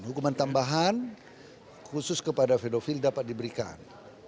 hukuman tambahan khusus kepada pedofil dapat diberikan